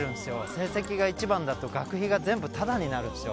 成績が一番だと学費が全部タダになるんですよ。